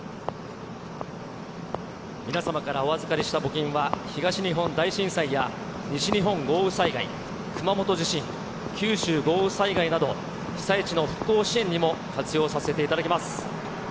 皆様からお預かりした募金は、東日本大震災や西日本豪雨災害、熊本地震、九州豪雨災害など、被災地の復興支援にも活用させていただきます。